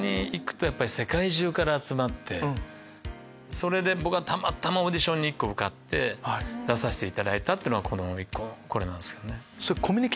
それで僕はたまたまオーディションに受かって出させていただいたってのがこの１個これなんですよね。